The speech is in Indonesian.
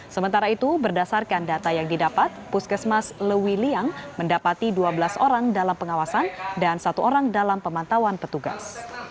sementara itu berdasarkan data yang didapat puskesmas lewiliang mendapati dua belas orang dalam pengawasan dan satu orang dalam pemantauan petugas